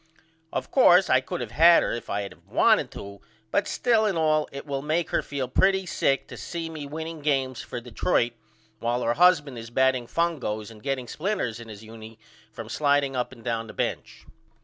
Of coarse I could of had her if I had of wanted to but still and all it will make her feel pretty sick to see me winning games for Detroit while her husband is batting fungos and getting splinters in his unie from slideing up and down the bench.